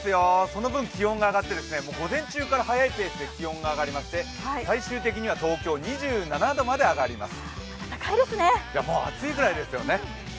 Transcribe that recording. その分、気温が上がって午前中から晴れていて気温が上がりまして最終的には東京２７度まで上がります。